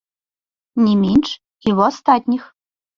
Не менш і ў астатніх.